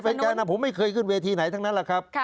เป็นแกนะผมไม่เคยขึ้นเวทีไหนทั้งนั้นแหละครับ